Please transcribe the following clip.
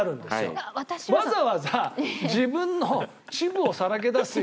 わざわざ自分の恥部をさらけ出すような。